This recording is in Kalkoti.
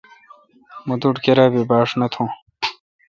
مہ توٹھ کیرا بی باݭ نہ تھون۔